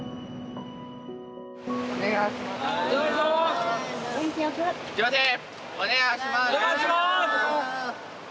お願いします。